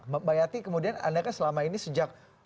mbak yati kemudian anda kan selama ini sejak